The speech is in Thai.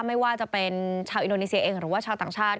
ไม่ว่าจะเป็นชาวอินโดนีเซียเองหรือว่าชาวต่างชาติ